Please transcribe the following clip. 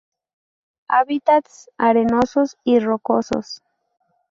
Hábitats arenosos y rocosos.